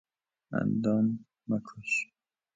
اندام مکش